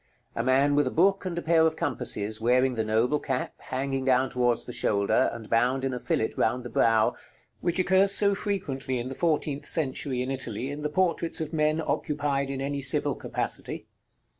A man with a book and a pair of compasses, wearing the noble cap, hanging down towards the shoulder, and bound in a fillet round the brow, which occurs so frequently during the fourteenth century in Italy in the portraits of men occupied in any civil capacity.